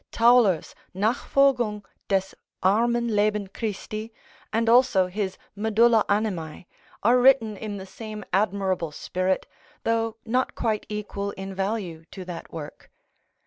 Tauler's "Nachfolgung des armen Leben Christi," and also his "Medulla Animæ," are written in the same admirable spirit, though not quite equal in value to that work.